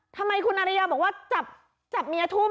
ทำไมคุณอาริยาบอกว่าจับเมียทุ่ม